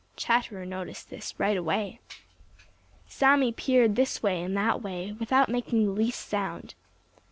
Chatterer noticed this right away. Sammy peered this way and that way, without making the least sound.